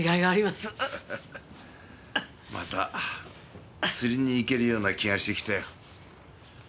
また釣りに行けるような気がしてきたよ